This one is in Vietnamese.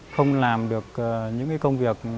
không làm được những công việc